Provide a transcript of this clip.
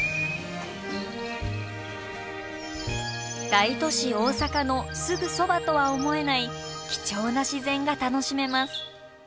大都市大阪のすぐそばとは思えない貴重な自然が楽しめます。